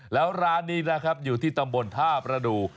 แล้วร้านนี้นะครับอยู่ที่ตำบลท่าประดูก